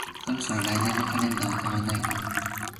そろそろ来年のカレンダーを買わないと